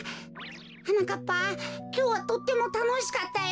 はなかっぱきょうはとってもたのしかったよ。